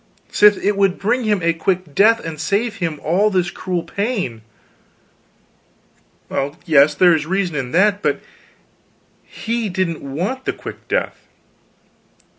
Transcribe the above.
"Sith it would bring him a quick death and save him all this cruel pain." "Well yes, there is reason in that. But he didn't want the quick death."